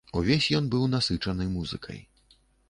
Увесь ён быў насычаны музыкай.